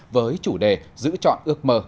với chủ đề giữ chọn ước mơ